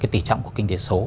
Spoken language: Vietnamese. tỉ trọng kinh tế số